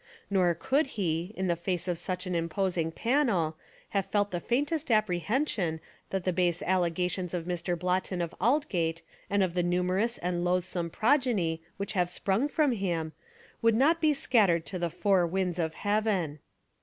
Nor could he, m the face of such an Imposing panel, have felt the faintest apprehension that the base allegations of Mr. Blotton of Aldgate and of the numerous and loathsome progeny which have sprung from him, would not be scattered to the four winds of heaven.